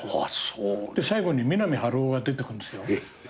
最後に三波春夫が出てくるんです。